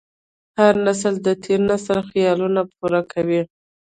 هر نسل د تېر نسل خیالونه پوره کوي.